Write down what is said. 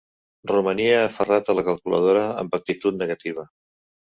Romania aferrat a la calculadora amb actitud negativa.